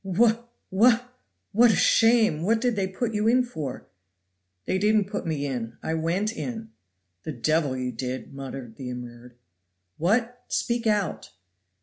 "Whee ugh whee! what a shame! what did they put you in for?" "They didn't put me in. I went in." "The devil you did!" muttered the immured. "What? Speak out."